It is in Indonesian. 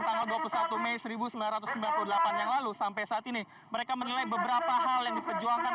tanggal dua puluh satu mei seribu sembilan ratus sembilan puluh delapan yang lalu sampai saat ini mereka menilai beberapa hal yang diperjuangkan